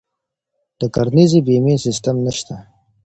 د کرنیزې بیمې سیستم نشته.